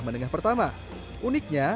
menengah pertama uniknya